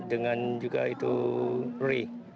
dengan juga itu ray